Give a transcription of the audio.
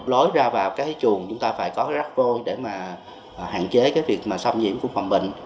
lối ra vào cái chuồng chúng ta phải có rắc rối để hạn chế việc xâm nhiễm của phòng bệnh